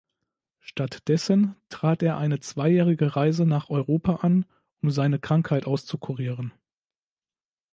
Stattdessen trat er eine zweijährige Reise nach Europa an, um seine Krankheit auszukurieren.